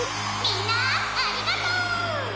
「みんなありがとう！」。